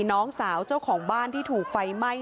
น้องสาวเจ้าของบ้านที่ถูกไฟไหม้